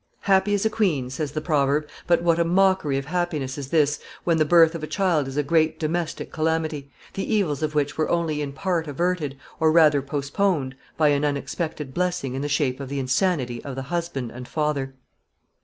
Happy as a queen, says the proverb, but what a mockery of happiness is this, when the birth of a child is a great domestic calamity, the evils of which were only in part averted, or rather postponed, by an unexpected blessing in the shape of the insanity of the husband and father.